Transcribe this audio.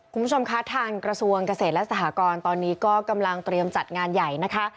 คุณผู้ชมคะทางกระทรวงเกษตรและสหกรตอนนี้ก็กำลังเตรียมจัดงานใหญ่นะคะ